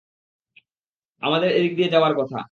আমাদের এদিক দিয়ে যাওয়ার কথা।